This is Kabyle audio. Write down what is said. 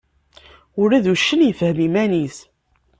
Ula d uccen ifhem iman-is.